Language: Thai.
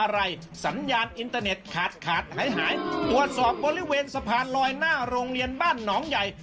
หายตรวจสอบบริเวณสะพานลอยหน้าโรงเรียนบ้านหนองใหญ่